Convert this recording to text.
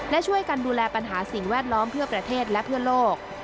และช่วยกันดูแลปัญหาสิ่งแวดล้อมเพื่อประเทศและเพื่อโลก